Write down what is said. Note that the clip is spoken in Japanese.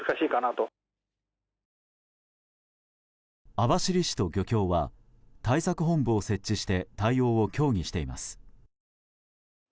網走市と漁協は対策本部を設置して対応を協議しています。